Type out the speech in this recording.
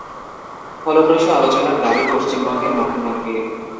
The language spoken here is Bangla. ফলপ্রসূ আলোচনার দাবি পশ্চিমবঙ্গের মুখ্যমন্ত্রীর।